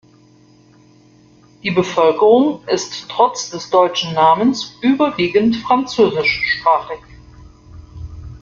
Die Bevölkerung ist trotz des deutschen Namens überwiegend französischsprachig.